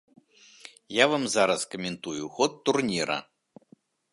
Я вам зараз каментую ход турніра.